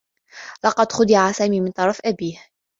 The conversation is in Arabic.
لقد خُدع سامي من طرف أبيه.